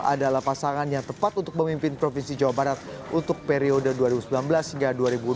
adalah pasangan yang tepat untuk memimpin provinsi jawa barat untuk periode dua ribu sembilan belas hingga dua ribu sembilan belas